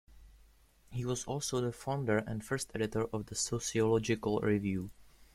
He was also the founder and first editor of "The Sociological Review".